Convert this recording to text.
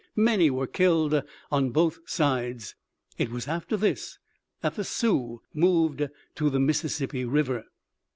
Many were killed on both sides. It was after this that the Sioux moved to the Mississippi river."